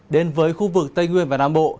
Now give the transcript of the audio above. đến với khu vực tây nguyên và nam bộ